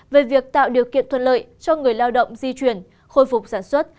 về việc tạo điều kiện thuận lợi cho người lao động di chuyển khôi phục sản xuất